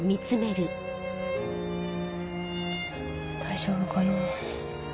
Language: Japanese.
大丈夫かな。